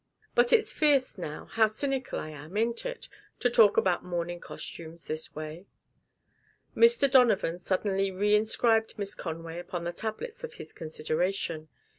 But it's fierce, now, how cynical I am, ain't it? to talk about mourning costumes this way. Mr. Donovan suddenly reinscribed Miss Conway upon the tablets of his consideration.